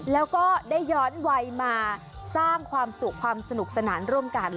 แล้วก็ได้ย้อนวัยมาสร้างความสุขความสนุกสนานร่วมกัน